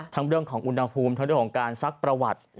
เรื่องของอุณหภูมิทั้งเรื่องของการซักประวัติ